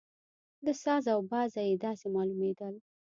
له ساز او بازه یې داسې معلومېدل.